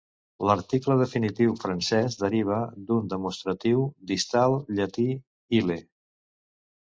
L'article definitiu francès deriva d'un demostratiu distal llatí, "ille".